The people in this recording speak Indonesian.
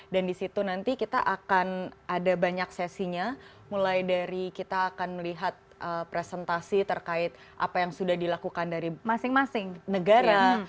dan di situ nanti kita akan ada banyak sesinya mulai dari kita akan melihat presentasi terkait apa yang sudah dilakukan dari masing masing negara